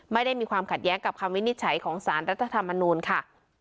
ไม่ได้มีความขัดแย้งกับความวิ๖๘ของศาลรัฐธรรมนุนค่ะ